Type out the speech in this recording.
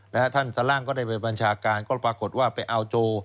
ท่านสล่างก็ได้ไปบัญชาการก็ปรากฏว่าไปเอาโจ